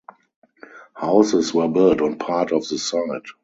Houses were built on part of the site.